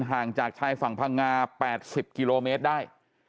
ห่างจากชายฝั่งพังงา๘๐กิโลเมตรได้